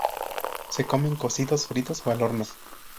Se comen cocidos, fritos o al horno.